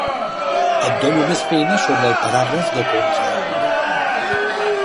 Et dono més feina sobre el paràgraf de contraargument.